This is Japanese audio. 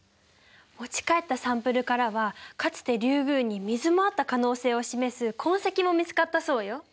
持ち帰ったサンプルからはかつてリュウグウに水もあった可能性を示す痕跡も見つかったそうよ。